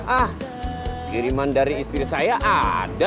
ah kiriman dari istri saya ada